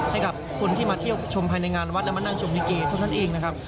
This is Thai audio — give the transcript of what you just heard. ให้กับคนที่มาเที่ยวชมภายในงานวัดและมานั่งชมลิเกเท่านั้นเองนะครับ